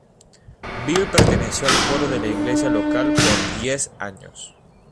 Bill perteneció al coro de la iglesia local por diez años.